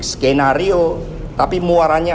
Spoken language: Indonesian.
skenario tapi muaranya